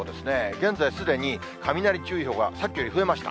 現在、すでに雷注意報が、さっきより増えました。